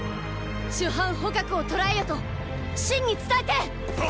主犯蒲を捕らえよと信に伝えて！！